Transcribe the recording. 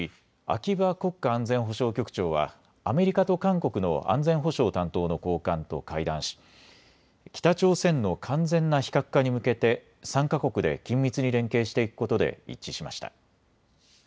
秋葉国家安全保障局長はアメリカと韓国の安全保障担当の高官と会談し北朝鮮の完全な非核化に向けて３か国で緊密に連携していくことで一致しました。